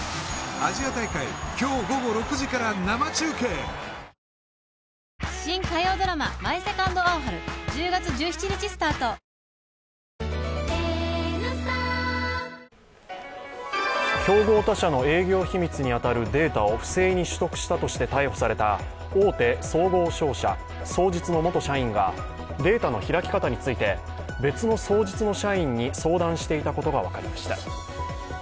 睡眠サポート「グリナ」競合他社の営業秘密に当たるデータを不正に取得したとして逮捕された大手総合商社、双日の元社員がデータの開き方について、別の双日の社員に相談していたことが分かりました。